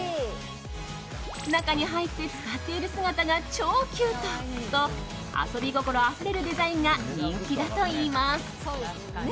中に入って使っている姿が超キュートと遊び心あふれるデザインが人気だといいます。